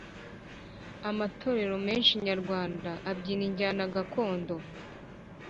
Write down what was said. Amatorero menshi nyarwanda abyina injyana gakondo